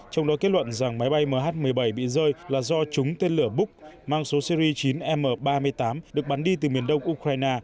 trong đó kết luận rằng máy bay mh một mươi bảy bị rơi là do trúng tên lửa buok mang số series chín m ba mươi tám được bắn đi từ miền đông ukraine